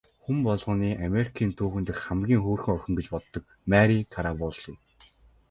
Хүн болгоны Америкийн түүхэн дэх хамгийн хөөрхөн охин гэж боддог Мари Караволли.